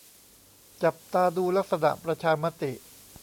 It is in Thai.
จับตาดูลักษณะประชามติ